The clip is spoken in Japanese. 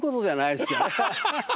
ハハハハ！